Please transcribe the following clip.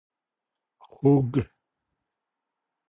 خوګ 🐷